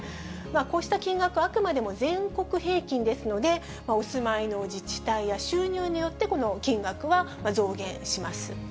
こうした金額、あくまでも全国平均ですので、お住まいの自治体や収入によってこの金額は増減します。